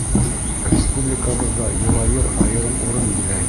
Республикабыҙҙа Йылайыр айырым урын биләй.